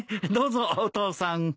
どうぞお父さん。